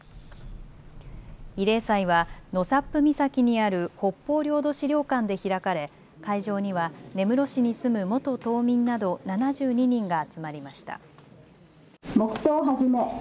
慰霊祭は納沙布岬にある北方領土資料館で開かれ会場には根室市に住む元島民など７２人が集まりました。